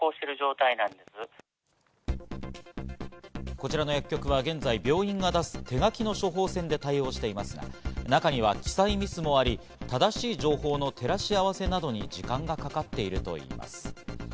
こちらの薬局は現在、病院が出す、手書きの処方せんで対応していますが、中には記載ミスもあり正しい情報の照らし合わせなどに時間がかかっているといいます。